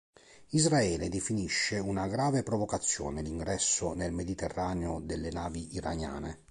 Israele definisce una "grave provocazione" l'ingresso nel mediterraneo delle navi iraniane.